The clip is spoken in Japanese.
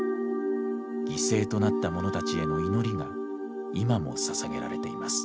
犠牲となった者たちへの祈りが今も捧げられています。